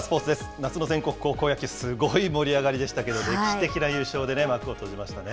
夏の全国高校野球、すごい盛り上がりでしたけど、歴史的な優勝で幕を閉じましたね。